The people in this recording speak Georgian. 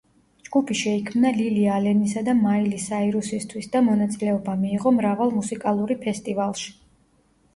ჯგუფი შეიქმნა ლილი ალენისა და მაილი საირუსისთვის და მონაწილეობა მიიღო მრავალ მუსიკალური ფესტივალშ.